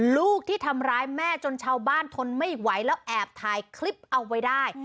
ลูกที่ทำร้ายแม่จนชาวบ้านทนไม่ไหวแล้วแอบถ่ายคลิปเอาไว้ได้